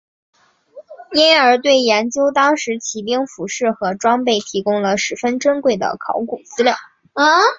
因而对研究当时骑兵服饰和装备提供了十分珍贵的考古资料。